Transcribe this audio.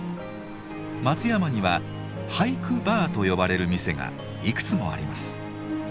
松山には「俳句バー」と呼ばれる店がいくつもあります。